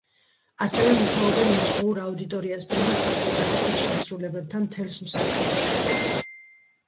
ასევე მუშაობენ უცხოურ აუდიტორიასთან და საზღვარგარეთელ შემსრულებლებთან მთელს მსოფლიოში.